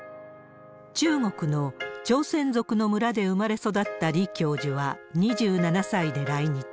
中国の朝鮮族の村で生まれ育った李教授は、２７歳で来日。